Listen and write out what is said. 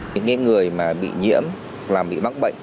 những người bị nhiễm hoặc bị bắt bệnh